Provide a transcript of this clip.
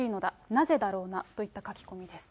なぜだろうな？といった書き込みです。